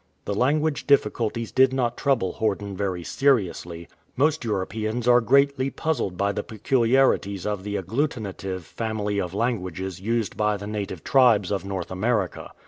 The language difficulties did not trouble Horden very seriously. Most Europeans are greatly puzzled by the peculiarities of the agglutina tive family of languages used by the native tribes of North America.